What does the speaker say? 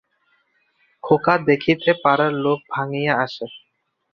খোকা দেখিতে পাড়ার লোক ভাঙ্গিয়া আসে।